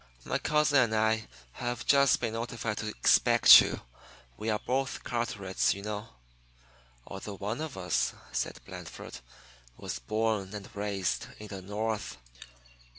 "My cousin and I have just been notified to expect you. We are both Carterets, you know." "Although one of us," said Blandford, "was born and raised in the North."